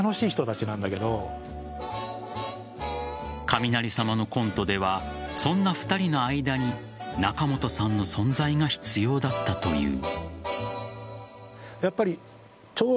雷様のコントではそんな２人の間に仲本さんの存在が必要だったという。